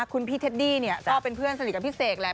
คุณพี่เทดดี้เนี่ยก็เป็นเพื่อนสนิทกับพี่เสกแหละ